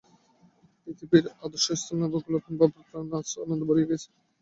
গৃহীর আদর্শস্থল নবগোপাল বাবুর প্রাণ আজ আনন্দে ভরিয়া গিয়াছে।